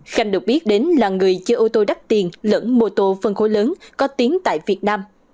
khanh được biết đến là người chơi ô tô đắt tiền lẫn mô tô phân khối lớn có tiếng tại việt nam